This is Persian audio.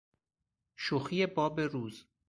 شوخی باب روز